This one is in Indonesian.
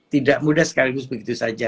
tidak mudah sekaligus begitu saja